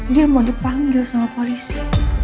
dia mau dipanggil sama polisi